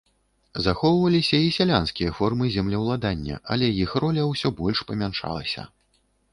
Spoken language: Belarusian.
Захоўваліся і сялянскія формы землеўладання, але іх роля ўсё больш памяншалася.